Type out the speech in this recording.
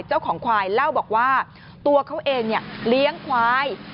เจ้าของควายเล่าบอกว่าตัวเขาเองเลี้ยงควาย